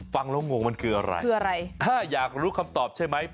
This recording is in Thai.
ฟังแล้วงงมันคืออะไรอยากรู้คำตอบใช่ไหม